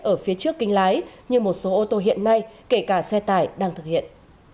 ở phía trước kinh lái như một số ô tô hiện nay kể cả xe tải đang thực hiện